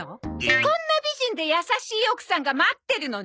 こんな美人で優しい奥さんが待ってるのに？